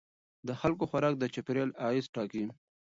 د خلکو خوراک د چاپیریال اغېز ټاکي.